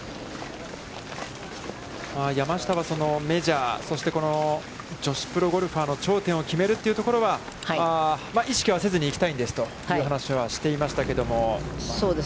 山下はメジャー、そして女子プロゴルファーの頂点を決めるというところは、意識はせずに行きたいんですという話はしていましたけども。